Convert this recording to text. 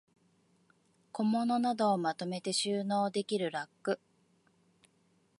小物などをまとめて収納できるラック